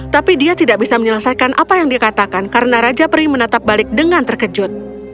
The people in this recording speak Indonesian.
tapi dia tidak bisa menyelesaikan apa yang dikatakan karena raja peri menatap balik dengan terkejut